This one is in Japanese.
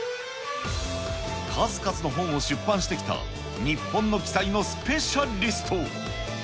数々の本を出版してきた日本の奇祭のスペシャリスト。